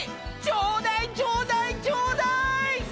ちょうだいちょうだいちょうだい！